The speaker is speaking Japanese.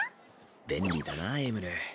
便利だなエムル。